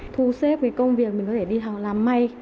thu xếp với công việc mình có thể đi làm mây